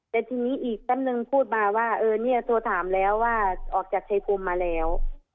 แต่ทีนี้อีกท่านหนึ่งพูดมาว่าเออเนี่ยโทรถามแล้วว่าออกจากชายภูมิมาแล้ว